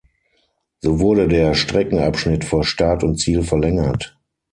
So wurde der Streckenabschnitt vor Start und Ziel verlängert.